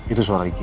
itu suara riki